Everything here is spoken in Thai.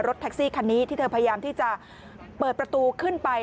แท็กซี่คันนี้ที่เธอพยายามที่จะเปิดประตูขึ้นไป